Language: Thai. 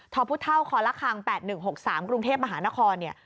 ทพุทเท่าคละคราง๘๑๖๓กรุงเทพฯมหานคร